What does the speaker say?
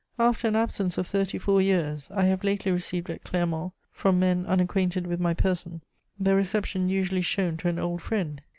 After an absence of thirty four years, I have lately received at Clermont, from men unacquainted with my person, the reception usually shown to an old friend.